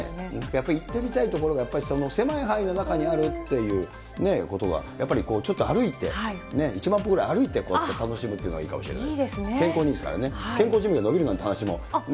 やっぱり行ってみたい所がやっぱり狭い範囲の中にあるっていうことが、やっぱりちょっと歩いて、１万歩ぐらい歩いて楽しむっていうのはいいかもしれない。